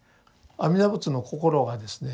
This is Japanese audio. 阿弥陀仏の心がですね